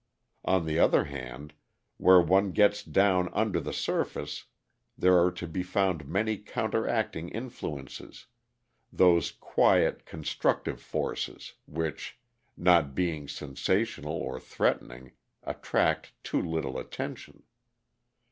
On the other hand, where one gets down under the surface there are to be found many counteracting influences those quiet constructive forces, which, not being sensational or threatening, attract too little attention.